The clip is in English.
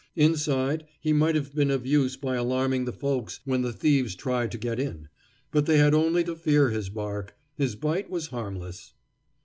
Inside, he might have been of use by alarming the folks when the thieves tried to get in. But they had only to fear his bark; his bite was harmless.